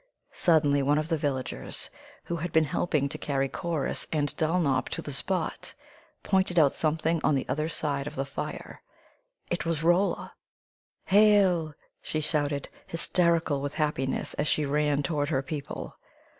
Suddenly one of the villagers, who had been helping to carry Corrus and Dulnop to the spot, pointed out something on the other side of the fire! It was Rolla! "Hail!" she shouted, hysterical with happiness as she ran toward her people.